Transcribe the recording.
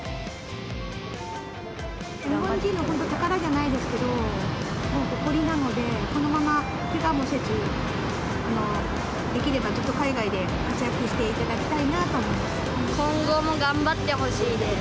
日本人の宝じゃないですけど、もう誇りなので、このままけがもせず、できればずっと海外で活躍していただきたいなと思います。